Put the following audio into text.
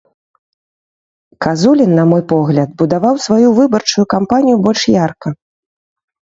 Казулін, на мой погляд, будаваў сваю выбарчую кампанію больш ярка.